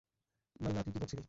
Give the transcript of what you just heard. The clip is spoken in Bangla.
নাল্লা, তুই কি করছিলি?